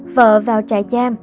vợ vào trại giam